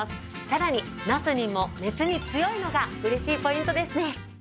更にナスニンも熱に強いのがうれしいポイントですね。